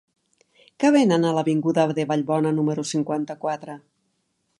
Què venen a l'avinguda de Vallbona número cinquanta-quatre?